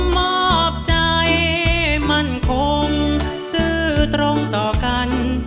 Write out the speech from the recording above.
มอบใจมั่นคงซื้อตรงต่อกัน